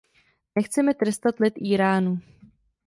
Nechceme trestat lid Íránu.